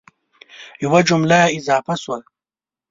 یوه جمله اضافه شوه